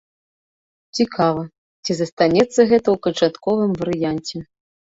Цікава, ці застанецца гэта ў канчатковым варыянце.